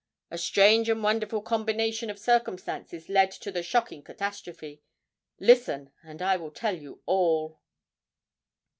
A strange and wonderful combination of circumstances led to the shocking catastrophe. Listen—and I will tell you all."